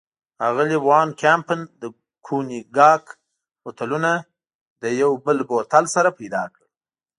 اغلې وان کمپن د کونیګاک بوتلونه له یو بل بوتل سره پيدا کړل.